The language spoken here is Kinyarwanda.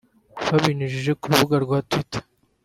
Babinyujije ku rubuga rwa Twitter